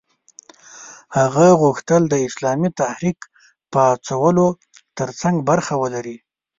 هغه غوښتل د اسلامي تحریک پاڅولو ترڅنګ برخه ولري.